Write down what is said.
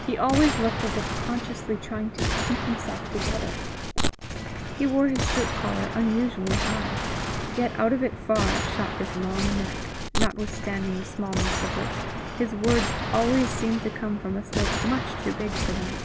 He always looked as if consciously trying to keep himself together. He wore his shirt collar unusually high, yet out of it far shot his long neck, notwithstanding the smallness of which, his words always seemed to come from a throat much too big for them.